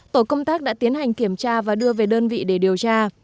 tổ công tác đã tiến hành kiểm tra và đưa về đơn vị để điều tra